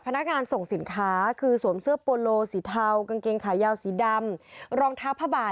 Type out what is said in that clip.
พนักงานส่งสินค้าคือสวมเสื้อโปโลสีเทากางเกงขายาวสีดำรองเท้าผ้าบาท